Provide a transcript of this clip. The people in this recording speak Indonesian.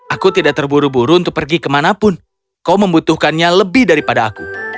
aku tidak terburu buru untuk pergi kemanapun kau membutuhkannya lebih daripada aku